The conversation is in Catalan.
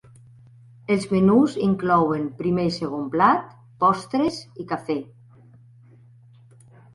Els menús inclouen primer i segon plat, postres i cafè.